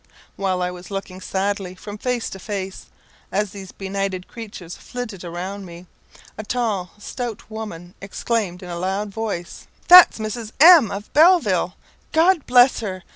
While I was looking sadly from face to face, as these benighted creatures flitted round me, a tall stout woman exclaimed in a loud voice "That's Mrs. M , of Belleville! God bless her!